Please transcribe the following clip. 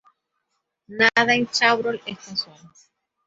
Nada en Chabrol es casual.